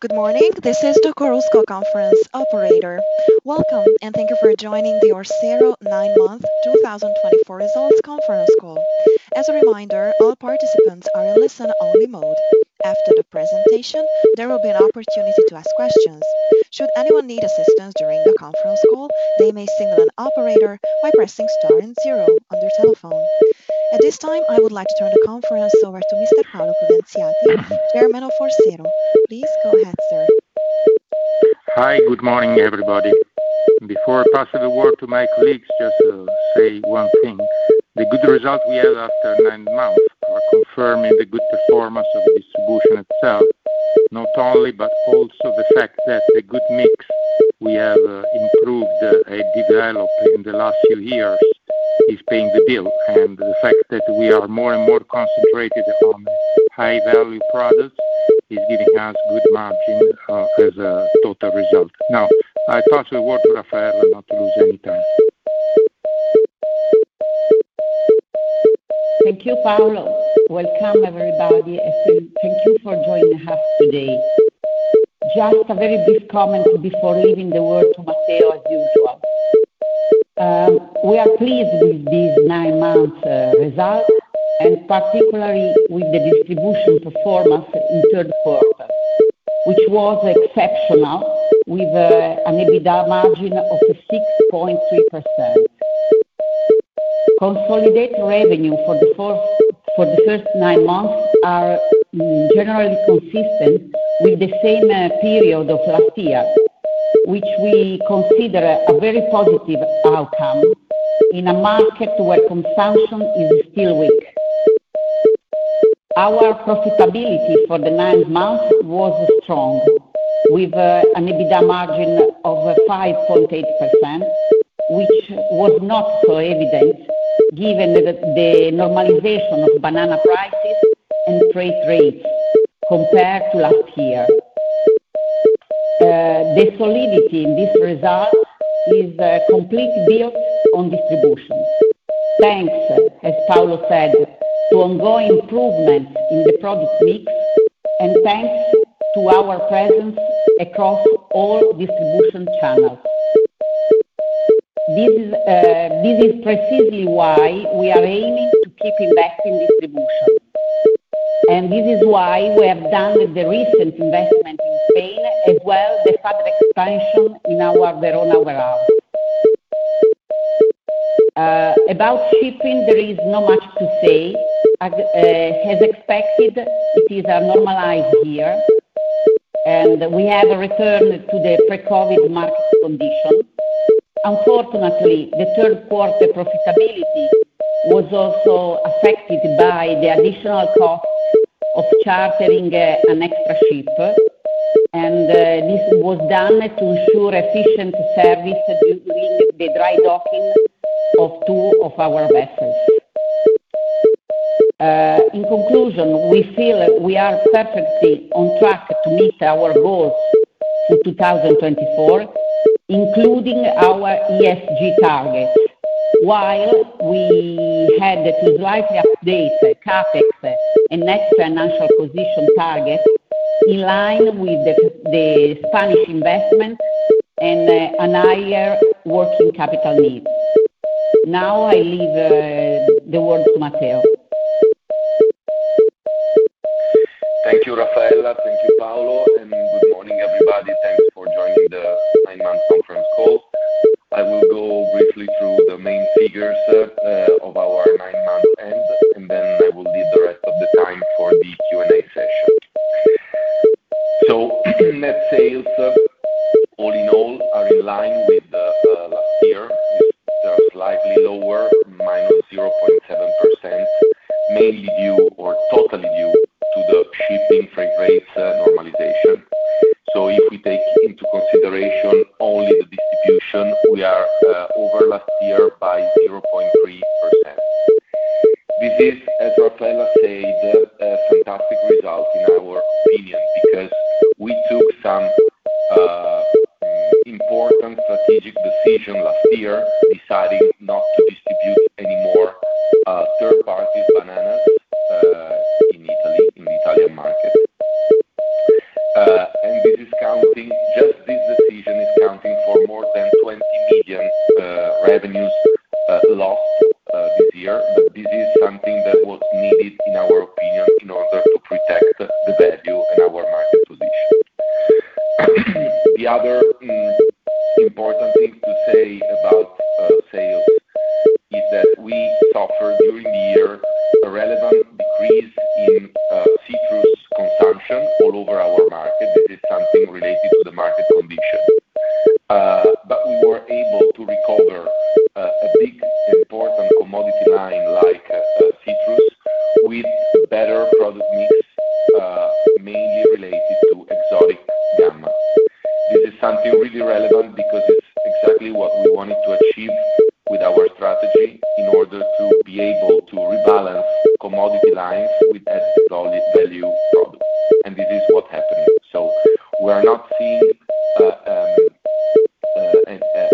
Good morning, this is the Chorus Call conference operator. Welcome, and thank you for joining the Orsero Nine-Month 2024 Results Conference Call. As a reminder, all participants are in listen-only mode. After the presentation, there will be an opportunity to ask questions. Should anyone need assistance during the conference call, they may signal an operator by pressing star and zero on their telephone. At this time, I would like to turn the conference over to Mr. Paolo Prudenziati, Chairman of Orsero. Please go ahead, sir. Hi, good morning, everybody. Before I pass the word to my colleagues, just to say one thing: the good results we have after nine months are confirming the good performance of distribution itself, not only, but also the fact that the good mix we have improved and developed in the last few years is paying the bill, and the fact that we are more and more concentrated on high-value products is giving us good margins as a total result. Now, I pass the word to Raffaella not to lose any time. Thank you, Paolo. Welcome, everybody, and thank you for joining us today. Just a very brief comment before leaving the word to Matteo, as usual. We are pleased with these nine-month results, and particularly with the distribution performance in the third quarter, which was exceptional, with an EBITDA margin of 6.3%. Consolidated revenue for the first nine months is generally consistent with the same period of last year, which we consider a very positive outcome in a market where consumption is still weak. Our profitability for the nine months was strong, with an EBITDA margin of 5.8%, which was not so evident given the normalization of banana prices and freight rates compared to last year. The solidity in these results is completely built on distribution, thanks, as Paolo said, to ongoing improvements in the product mix, and thanks to our presence across all distribution channels. This is precisely why we are aiming to keep investing in distribution, and this is why we have done the recent investment in Spain, as well as the further expansion in our Verona warehouse. About shipping, there is not much to say. As expected, it is normalized here, and we have returned to the pre-COVID market conditions. Unfortunately, the third quarter profitability was also affected by the additional cost of chartering an extra ship, and this was done to ensure efficient service during the dry docking of two of our vessels. In conclusion, we feel we are perfectly on track to meet our goals for 2024, including our ESG targets, while we had to slightly update CapEx and net financial position targets in line with the Spanish investment and higher working capital needs. Now, I leave the word to Matteo. Thank you, Raffaella. Thank you, Paolo. Good morning, everybody. Thanks for joining the nine-month conference call. I will go briefly through the main figures of our nine-month end, and then I will leave the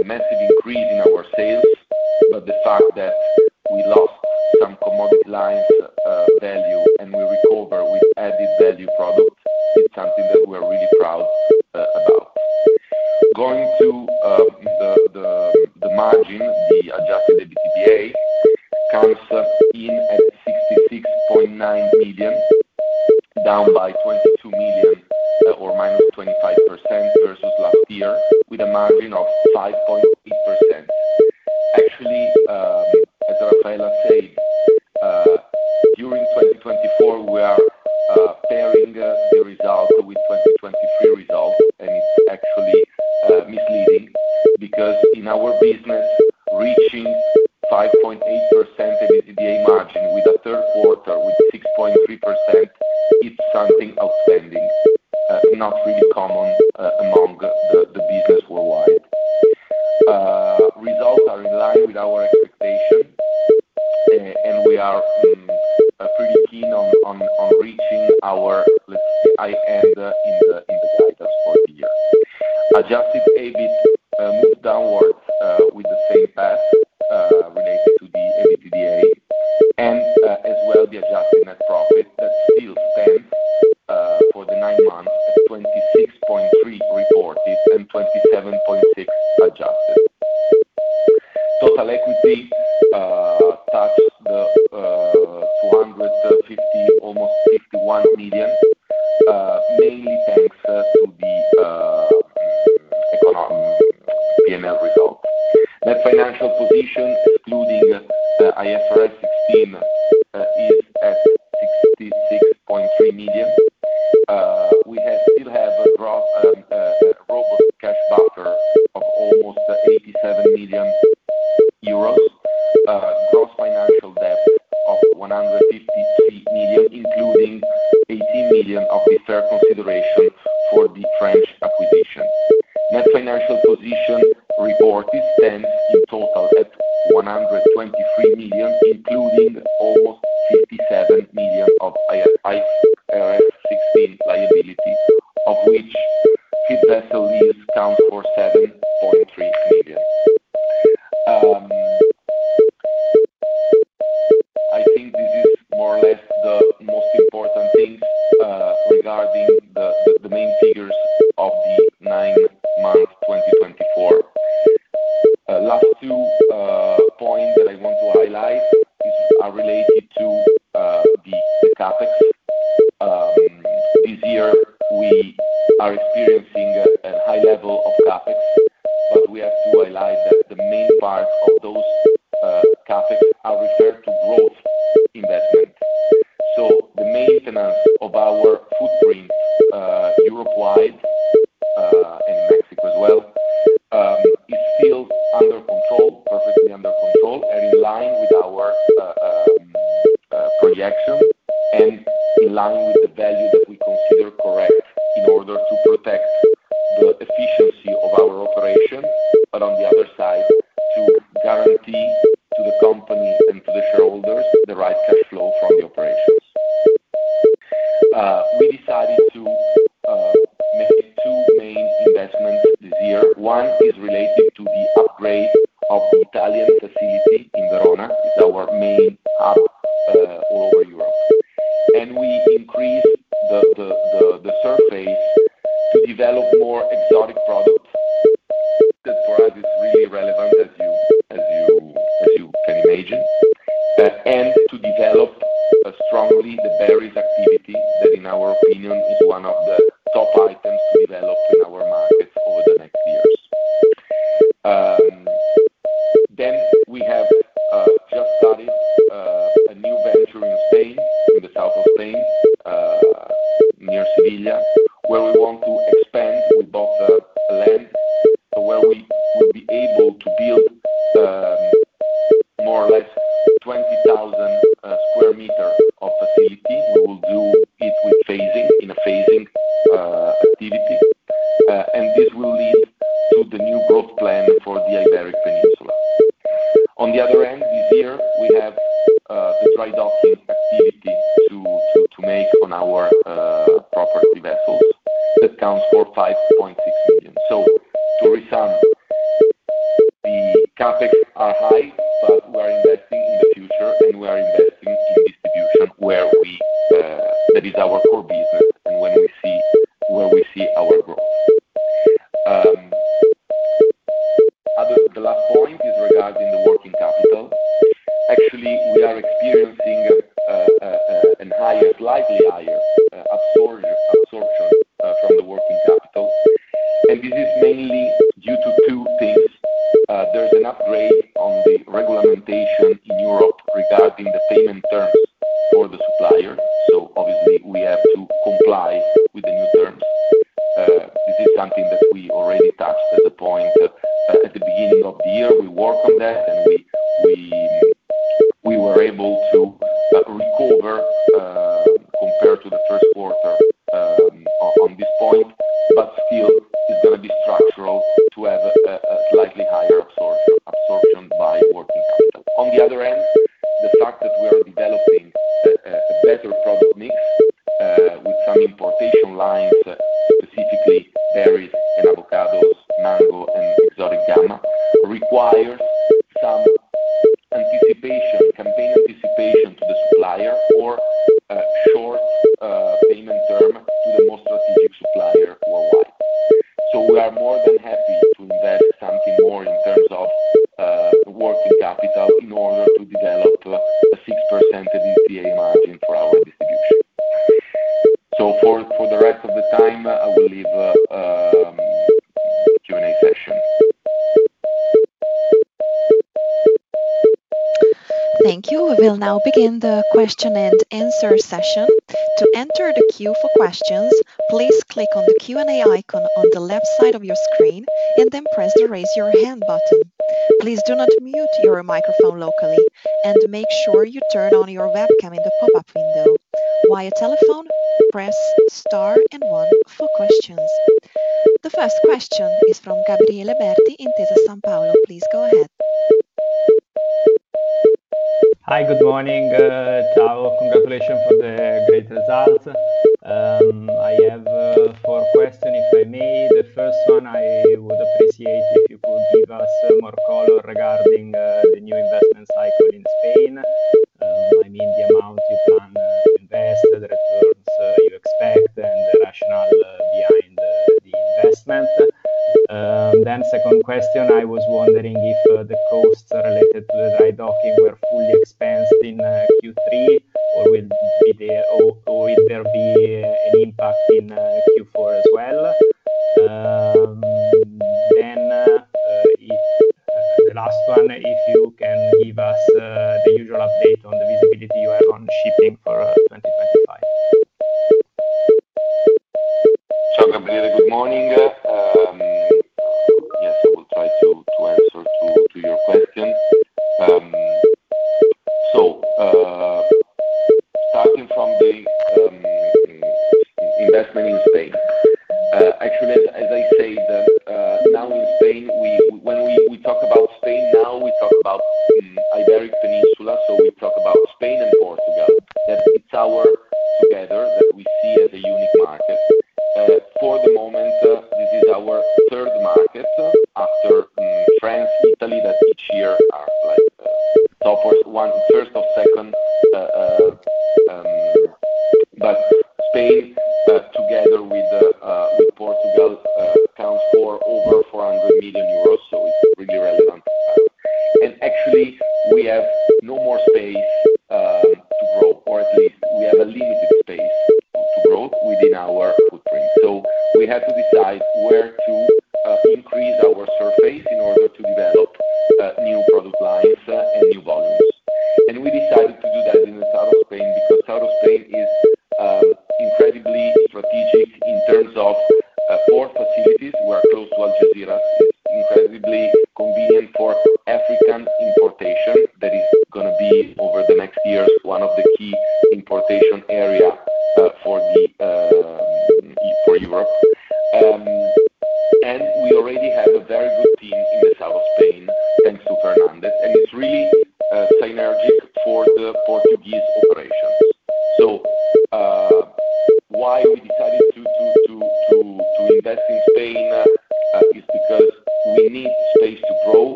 important strategic decisions mix with some importation lines, specifically berries and avocados, mango, and exotic gamma, requires some campaign anticipation to the supplier or short payment term to the more strategic supplier worldwide. So we are more than happy to invest something more in terms of working capital in order to develop a 6% EBITDA margin for our distribution. So, for the rest of the time, I will leave the Q&A session. Thank you. We will now begin the question and answer session. To enter the queue for questions, please click on the Q&A icon on the left side of your screen and then press the raise your hand button. Please do not mute your microphone locally and make sure you turn on your webcam in the pop-up window. While on your telephone, press star and one for questions. The first question is from Gabriele Berti at Intesa Sanpaolo. Please go ahead. Hi, good morning. Ciao. Congratulations for the great results.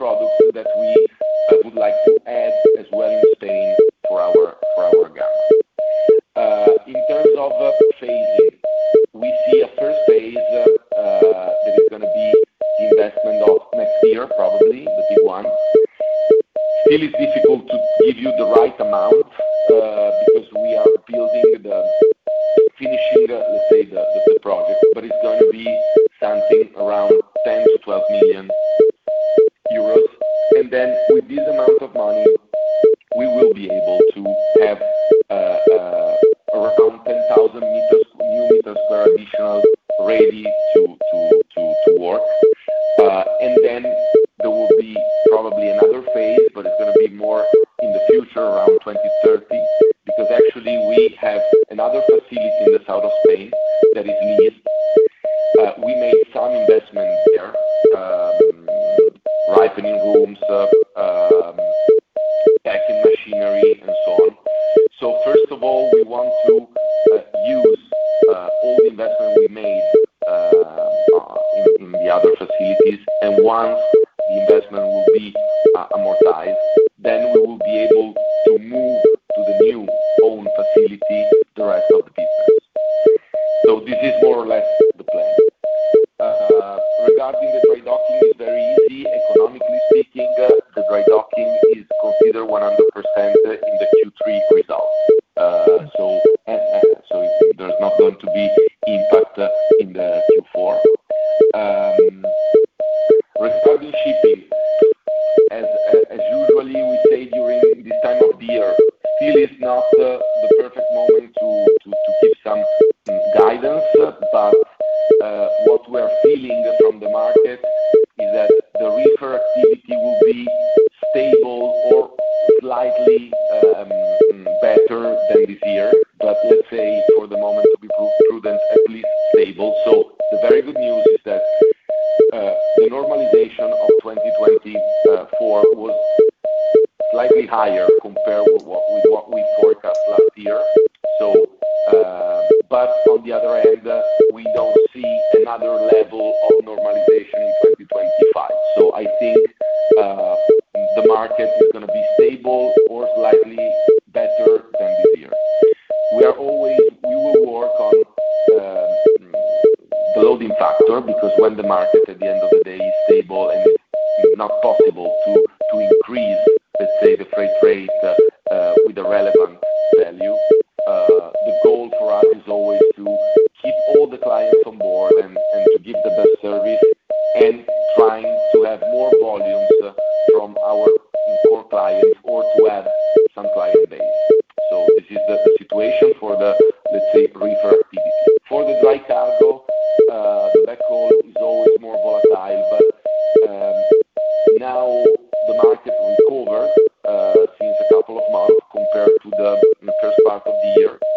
products that we would like to add as well in let's say,